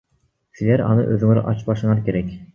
Силер аны өзүңөр ачпашыңар керек.